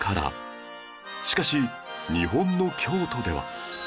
しかし日本の京都では